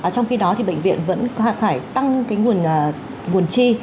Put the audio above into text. trong khi đó thì bệnh viện vẫn phải tăng nguồn chi